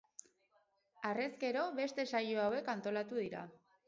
Harrezkero beste saio hauek antolatu dira.